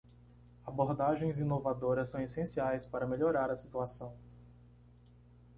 Abordagens inovadoras são essenciais para melhorar a situação.